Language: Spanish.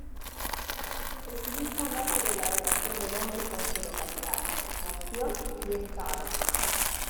El civismo nace de la relación del hombre con su localidad, nación y estado.